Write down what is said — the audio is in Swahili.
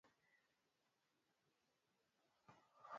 Miondoko na vitendo vya Jacob Matata viliwaacha vinywa wazi washambuliaji